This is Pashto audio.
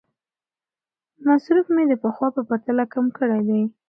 مصرف مې د پخوا په پرتله کم کړی دی.